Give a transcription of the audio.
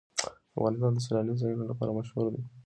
افغانستان د سیلانی ځایونه لپاره مشهور دی.